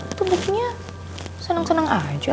itu bukunya seneng seneng aja aku liat mukanya